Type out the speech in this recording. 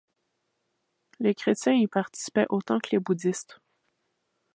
Les chrétiens y participaient autant que les bouddhistes.